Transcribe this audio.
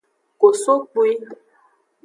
Kosokpwi.